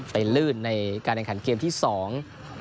ลื่นในการแข่งขันเกมที่สอง